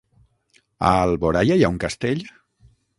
A Alboraia hi ha un castell?